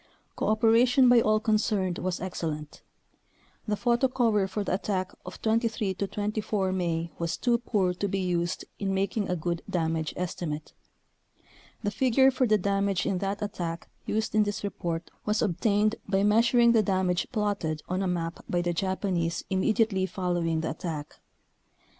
Cooperation by all concerned was excellent. The photo cover for the attack of 23 24 May was too poor to be used in making a good damage estimate. The figure for the dam age in that attack used in this report was obtained by measuring the damage plotted on a map by the Japanese immediately following the attack.